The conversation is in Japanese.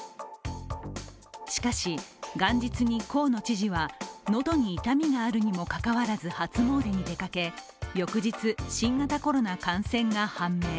しかし、元日に河野知事は喉に痛みがあるにもかかわらず初詣に出かけ、翌日、新型コロナ感染が判明。